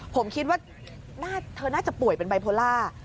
ผมคิดว่าเธอน่าจะป่วยเป็นไบโพล่า